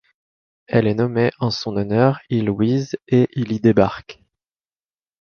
Elle est nommée en son honneur île Wiese et il y débarque.